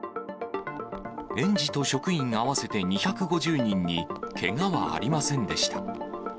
園児と職員合わせて２５０人にけがはありませんでした。